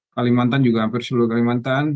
kalimantan juga hampir seluruh kalimantan